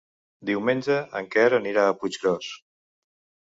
Diumenge en Quer anirà a Puiggròs.